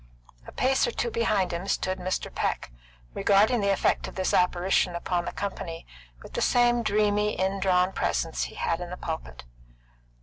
A pace or two behind him stood Mr. Peck, regarding the effect of this apparition upon the company with the same dreamy, indrawn presence he had in the pulpit.